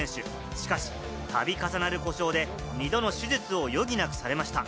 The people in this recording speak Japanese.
しかし、度重なる故障で、２度も手術を余儀なくされました。